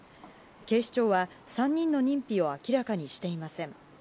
警視庁は３人の認否を明らかにしていません。